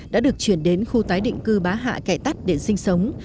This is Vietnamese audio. đã được chuyển đến khu tái định cư bá hạ kẻ tắt để sinh sống